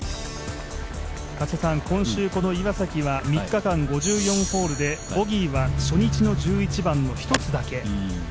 今週岩崎は３日間５４ホールでボギーは初日の１１番の１つだけ。